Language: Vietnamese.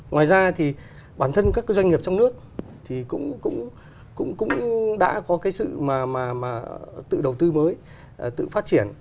ngoài ra thì bản thân các cái doanh nghiệp trong nước thì cũng đã có cái sự mà tự đầu tư mới tự phát triển